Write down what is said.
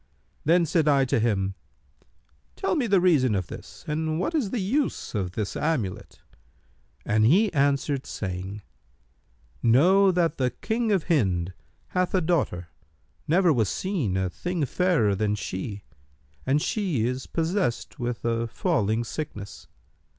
Then said I to him, 'Tell me the reason of this and what is the use of this amulet.' And he answered, saying, 'Know that the King of Hind hath a daughter, never was seen a thing fairer than she, and she is possessed with a falling sickness.